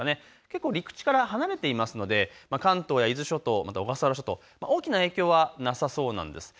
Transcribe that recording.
結構、陸地から離れていますので関東や伊豆諸島、また小笠原諸島、大きな影響はなさそうなんです。